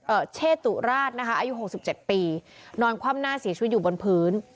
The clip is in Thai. เชตุราชนะคะอายุหกสิบเจ็ดปีนอนคว่ำหน้าเสียชีวิตอยู่บนพื้น